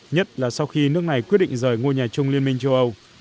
nhất là sau khi nước này quyết định rời ngôi nhà chung liên minh châu âu